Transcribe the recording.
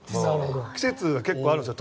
季節が結構あるんですよ